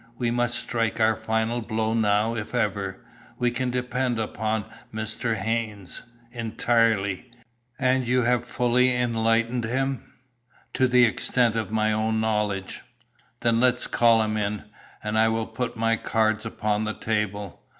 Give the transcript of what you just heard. We must strike our final blow now if ever. We can depend upon Mr. Haynes." "Entirely." "And you have fully enlightened him?" "To the extent of my own knowledge?" "Then let's call him in, and I will put my cards upon the table.